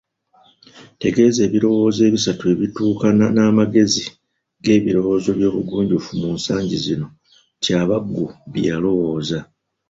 Tegeeza ebirowoozo ebisatu ebituukana n'amagezi g'ebirowoozo by'obugunjufu mu nsangi zino Kyabaggu bye yalowooza.